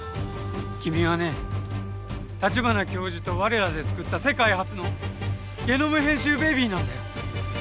君はね立花教授と我らでつくった世界初のゲノム編集ベビーなんだよ。